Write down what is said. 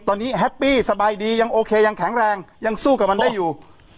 ตอนนี้แฮปปี้สบายดียังโอเคยังแข็งแรงยังสู้กับมันได้อยู่